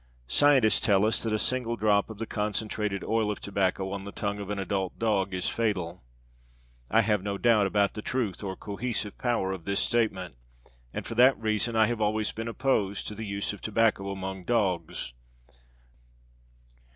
Scientists tell us that a single drop of the concentrated oil of tobacco on the tongue of an adult dog is fatal. I have no doubt about the truth or cohesive power of this statement, and for that reason I have always been opposed to the use of tobacco among dogs.